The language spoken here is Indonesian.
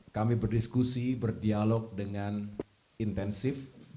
kami berdiskusi berdialog dengan intensif